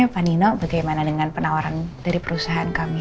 pak nino bagaimana dengan penawaran dari perusahaan kami